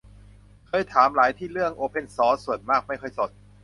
เคยถามหลายที่เรื่องโอเพนซอร์ส ส่วนมากไม่ค่อยสน